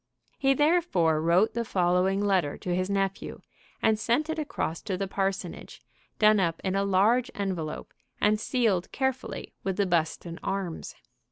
He therefore wrote the following letter to his nephew, and sent it across to the parsonage, done up in a large envelope, and sealed carefully with the Buston arms.